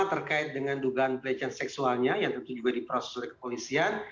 yang pertama adalah dugaan pelecehan seksualnya yang tentu juga diproses oleh kepolisian